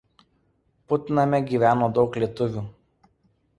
Putname gyveno daug lietuvių.